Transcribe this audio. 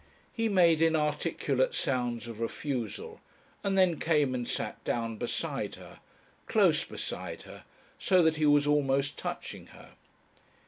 He made inarticulate sounds of refusal, and then came and sat down beside her, close beside her, so that he was almost touching her.